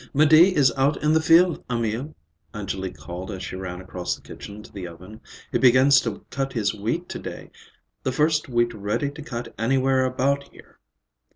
"'Médée is out in the field, Emil," Angélique called as she ran across the kitchen to the oven. "He begins to cut his wheat to day; the first wheat ready to cut anywhere about here.